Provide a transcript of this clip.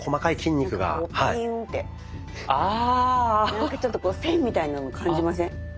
なんかちょっと線みたいなの感じません？